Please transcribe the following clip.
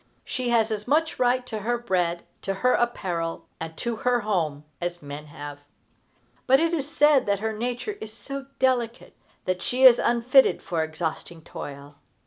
She has as much right to her bread, to her apparel, and to her home, as men have. But it is said that her nature is so delicate that she is unfitted for exhausting toil.